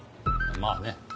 まあね